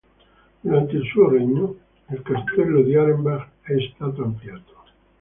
Durante il suo regno, il Castello di Arenberg è stato ampliato.